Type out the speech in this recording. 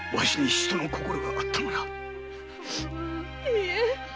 いいえ